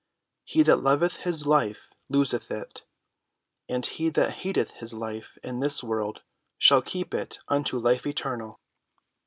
He that loveth his life loseth it; and he that hateth his life in this world shall keep it unto life eternal.